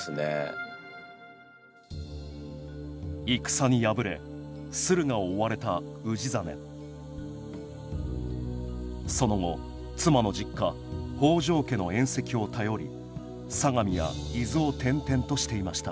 戦に敗れ駿河を追われた氏真その後妻の実家北条家の縁戚を頼り相模や伊豆を転々としていました。